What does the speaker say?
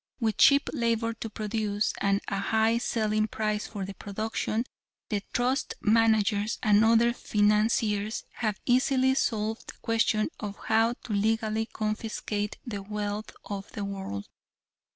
With cheap labor to produce, and a high selling price for the production, the trust managers and other financiers have easily solved the question of how to legally confiscate the wealth of the world."